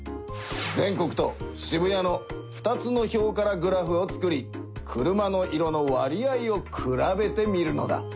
全国と渋谷の２つの表からグラフを作り車の色の割合を比べてみるのだ。